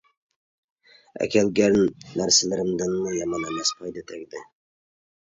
ئەكەلگەن نەرسىلىرىمدىنمۇ يامان ئەمەس پايدا تەگدى.